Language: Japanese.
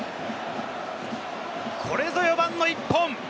これぞ４番の一本！